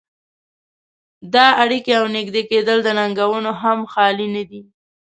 دا اړيکې او نږدې کېدل له ننګونو هم خالي نه دي.